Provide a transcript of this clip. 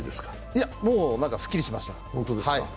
いや、もうすっきりしました